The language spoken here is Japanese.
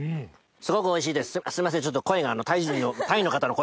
すごくおいしい。